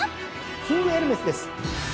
キングエルメスです。